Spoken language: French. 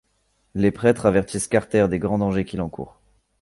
Les prêtres avertissent Carter des grands dangers qu'il encourt.